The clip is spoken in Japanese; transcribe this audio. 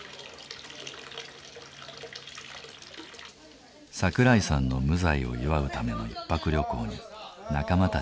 桜井さんの無罪を祝うための１泊旅行に仲間たちが集まった。